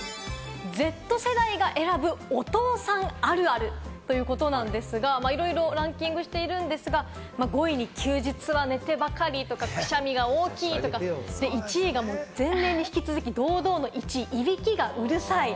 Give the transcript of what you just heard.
Ｚ世代が選ぶお父さんあるあるということなんですが、いろいろランキングしているんですが、５位に休日は寝てばかりとか、くしゃみが大きいとか、１位が前年に引き続き、堂々のいびきがうるさい。